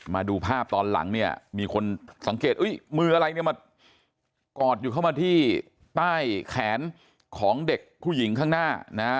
มาดูภาพตอนหลังเนี่ยมีคนสังเกตมืออะไรเนี่ยมากอดอยู่เข้ามาที่ใต้แขนของเด็กผู้หญิงข้างหน้านะ